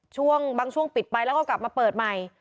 บางช่วงปิดไปแล้วก็กลับมาเปิดใหม่